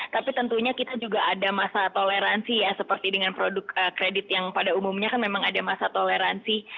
tapi tentunya kita juga ada masa toleransi ya seperti dengan produk kredit yang pada umumnya kan memang ada masa toleransi